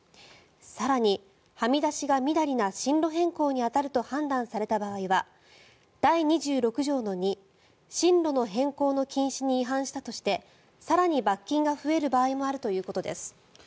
更に、はみ出しがみだりな進路変更に当たると判断された場合は第２６条の２進路の変更の禁止に違反したとして更に罰金が増える場合もあるということです。